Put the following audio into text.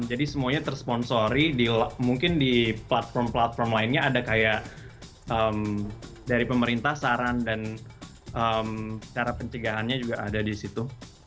jadi semuanya tersponsori mungkin di platform platform lainnya ada kayak dari pemerintah saran dan cara pencegahannya juga ada di situ